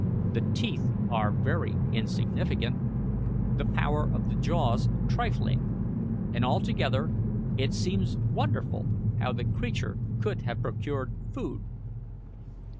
The teeth are very insignificant, the power of the jaws trifling, and altogether it seems wonderful how the creature could have procured food.'